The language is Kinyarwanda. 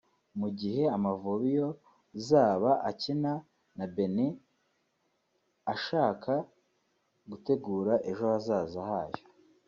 Mu gihe Amavubi yo zaba akina na Benin ashaka gutegura ejo hazaza hayo